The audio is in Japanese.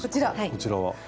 こちらは。